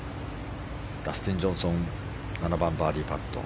ダスティン・ジョンソン７番のバーディーパット。